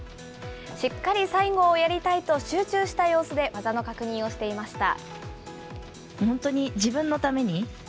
しっかり最後をやりたいと、集中した様子で、技の確認をしていました。